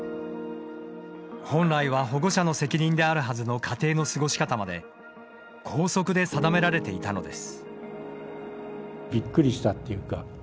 本来は保護者の責任であるはずの家庭の過ごし方まで校則で定められていたのです。